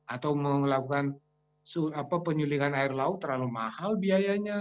atau melakukan penyulingan air laut terlalu mahal biayanya